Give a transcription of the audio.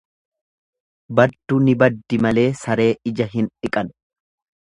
Baddu ni baddi malee saree ija hin dhiqan.